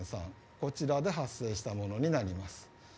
こちらで発生したものになります。